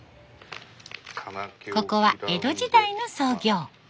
ここは江戸時代の創業。